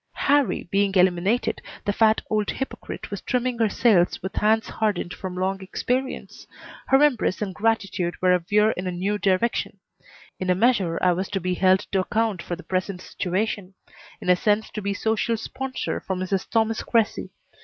Harrie being eliminated, the fat old hypocrite was trimming her sails with hands hardened from long experience. Her embraces and gratitude were a veer in a new direction. In a measure I was to be held to account for the present situation; in a sense to be social sponsor for Mrs. Thomas Cressy.